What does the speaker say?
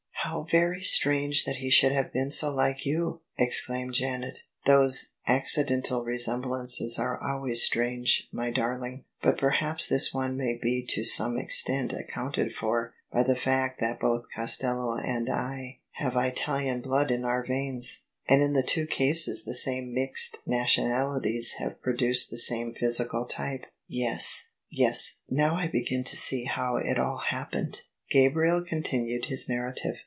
" How very strange that he should have been so like you !" exclaimed Janet. "Those accidental resemblances are always strange, my darling: but perhaps this one may be to some extent accounted for by the fact that both Costello and I have [ 334 ] OF ISABEL CARNABY Italian blood in our veins; and in the two cases the same mixed nationalities have produced the same physical ^e.'' " Yes, yes: now I begin to see how it all happened." Gabriel continued his narrative.